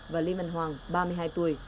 và lê văn hoàng ba mươi hai tuổi